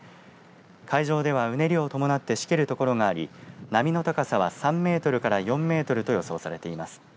海上ではうねりを伴ってしける所があり波の高さは３メートルから４メートルと予想されています。